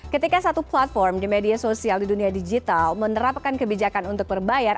ketika satu platform di media sosial di dunia digital menerapkan kebijakan untuk berbayar